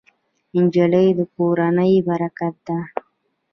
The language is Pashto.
نجلۍ د کورنۍ برکت ده.